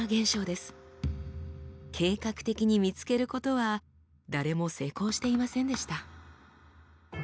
計画的に見つけることは誰も成功していませんでした。